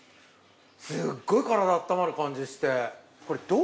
すっごい体あったまる感じして。